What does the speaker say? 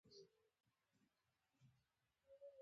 فزیک د فکر ځواک پیاوړی کوي.